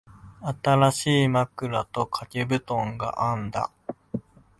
新しい枕と掛け布団があんだ。